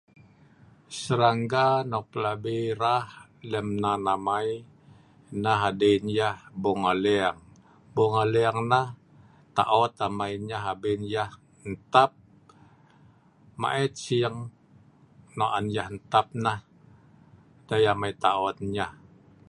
serangga nok pelabi rah lem nan amei nah adin yeh bung aleng bung aleng neh taot amai nyeh abin yeh ntap maet sing nok on yeh ntap nah dei amei taot nyeh